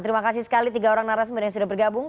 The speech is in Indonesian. terima kasih sekali tiga orang narasumber yang sudah bergabung